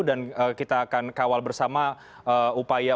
dan kita akan kawal bersama upaya upaya